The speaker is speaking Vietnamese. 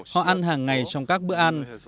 họ ăn hàng ngày trong các bữa ăn